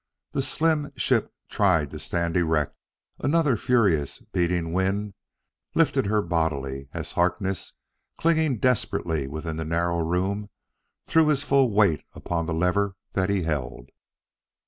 The slim ship tried to stand erect. Another furious, beating wind lifted her bodily, as Harkness, clinging desperately within the narrow room, threw his full weight upon the lever that he held.